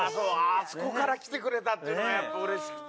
あそこから来てくれたっていうのがうれしくて。